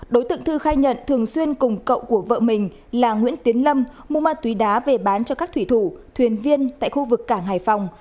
đối tượng thư khai nhận thường xuyên cùng cậu của vợ mình là nguyễn tiến lâm mua ma túy đá về bán cho các thủy thủ thuyền viên tại khu vực cảng hải phòng